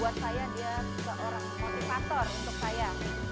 buat saya dia seorang motivator untuk saya